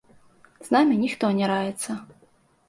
З намі ніхто не раіцца.